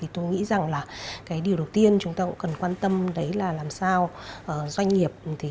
tôi nghĩ rằng điều đầu tiên chúng ta cũng cần quan tâm là làm sao doanh nghiệp